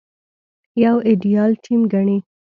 يو ايديال ټيم ګڼي.